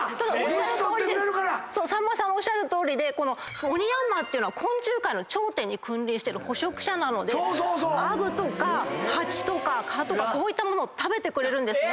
虫取ってくれるから⁉さんまさんおっしゃるとおりでオニヤンマっていうのは昆虫界の頂点に君臨してる捕食者なのでアブとか蜂とか蚊とかこういったものを食べてくれるんですね。